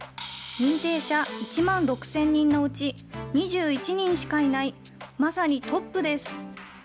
認定者１万６０００人のうち、２１人しかいない、まさにトップです。